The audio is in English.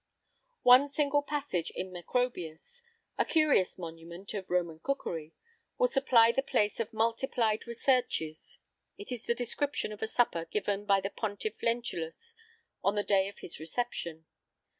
One single passage in Macrobius a curious monument of Roman cookery will supply the place of multiplied researches: it is the description of a supper given by the Pontiff Lentulus on the day of his reception.